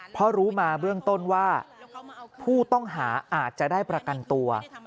เพราะรู้มาเบื้องต้นว่าผู้ต้องหาอาจจะได้ประกันตัว